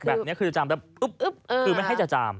แบบนี้คือจามแล้วคือไม่ให้จะจาม